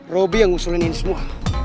roby yang ngusulin ini semua